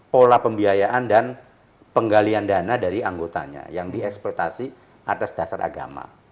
pola pembiayaan dan penggalian dana dari anggotanya yang dieksploitasi atas dasar agama